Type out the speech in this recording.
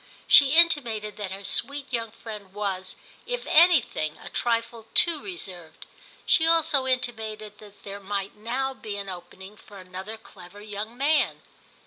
She intimated that her sweet young friend was, if anything, a trifle too reserved; she also intimated that there might now be an opening for another clever young man.